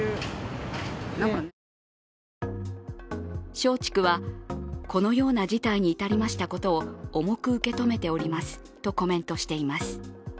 松竹は、このような事態に至りましたことを重く受け止めておりますとコメントしています。